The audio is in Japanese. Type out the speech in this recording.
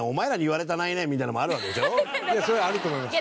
それはあると思いますよ。